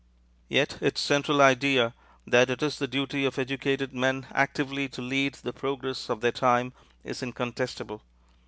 Yet its central idea, that it is the duty of educated men actively to lead the progress of their time, is incontestable.